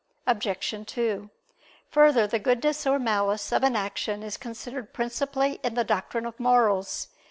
Obj. 2: Further, the goodness or malice of an action is considered principally in the doctrine of morals.